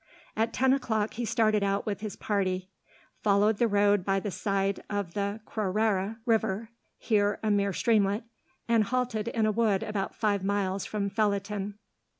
At ten o'clock he started out with his party, followed the road by the side of the Crorrere river here a mere streamlet and halted in a wood about five miles from Felletin.